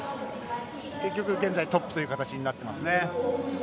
現在トップという形になってますね。